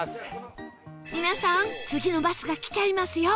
皆さん次のバスが来ちゃいますよ